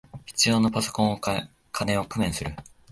必要なパソコンを買う金を工面する